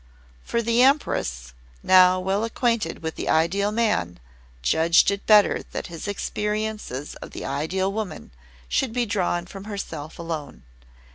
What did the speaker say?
For the Empress, now well acquainted with the Ideal Man, judged it better that his experiences of the Ideal Woman should be drawn from herself alone.